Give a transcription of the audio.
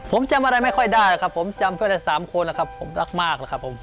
ผมจำอะไรไม่ค่อยได้ครับผมจำเพื่อนแหละสามคนครับผมรักมากครับผม